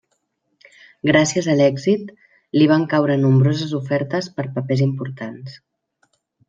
Gràcies a l'èxit, li van caure nombroses ofertes per papers importants.